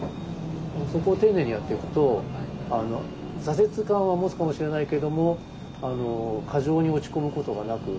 そこを丁寧にやっていくと挫折感は持つかもしれないけども過剰に落ち込むことがなく